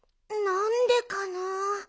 なんでかな？」